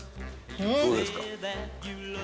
どうですか？